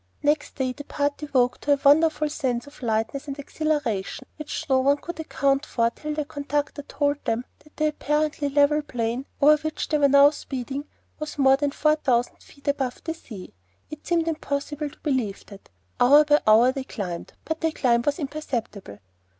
Next day the party woke to a wonderful sense of lightness and exhilaration which no one could account for till the conductor told them that the apparently level plain over which they were speeding was more than four thousand feet above the sea. It seemed impossible to believe it. Hour by hour they climbed; but the climb was imperceptible.